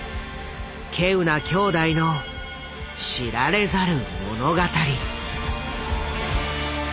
希有な兄弟の知られざる物語。